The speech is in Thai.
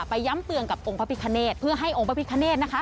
ย้ำเตือนกับองค์พระพิคเนตเพื่อให้องค์พระพิคเนธนะคะ